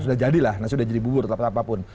sudah jadi lah nah sudah jadi bubur atau apapun